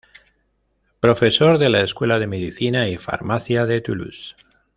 Profesor de la Escuela de Medicina y Farmacia de Toulouse.